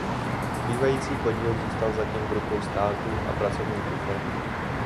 Zbývající podíl zůstal zatím v rukou státu a pracovníků firmy.